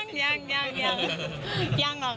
ต้องแต่งหน้าสวยไว้ตลอด